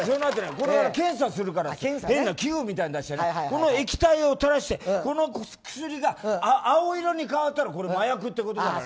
検査するからって変なの出して液体を垂らして、この薬が青色に変わったら麻薬ってことだから。